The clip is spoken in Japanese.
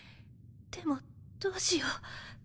でもどうしよう。